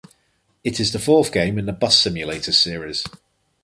It is the fourth game in the "Bus Simulator" series.